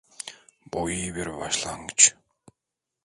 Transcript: Bu iyi bir başlangıç.